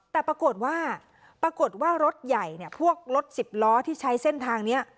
แต่ปรากฏว่ารถใหญ่พวกรถสิบล้อที่ใช้เส้นทางนี้